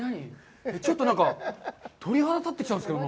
ちょっと、なんか鳥肌が立ってきたんですけど。